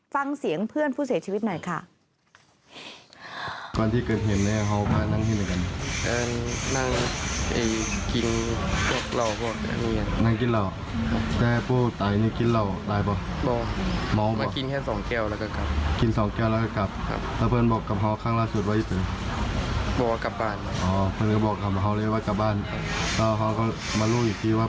ฟังเสียงเพื่อนผู้เสียชีวิตหน่อยค่ะ